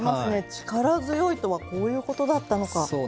力強いとはこういうことだったのか。